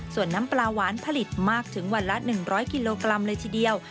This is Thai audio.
ส่วนน้ำปลาหวานผลิตมากถึงวันละ๑๐๐กิโลกรัมเลยทีเดียว